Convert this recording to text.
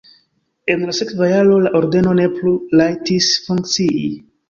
En la sekva jaro la ordeno ne plu rajtis funkcii.